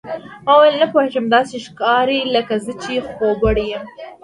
ما وویل، نه پوهېږم، داسې ښکاري لکه زه چې خوبوړی یم.